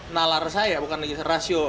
nalar saya bukan legis rasio